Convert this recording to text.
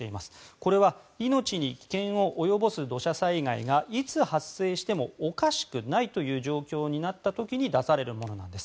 これは、命に危険を及ぼす土砂災害がいつ発生してもおかしくないという状況になった時に出されるものです。